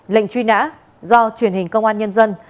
lệnh truy nã do truyền hình công an nhân dân